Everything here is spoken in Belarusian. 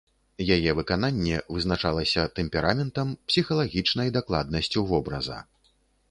Яе выкананне вызначалася тэмпераментам, псіхалагічнай дакладнасцю вобраза.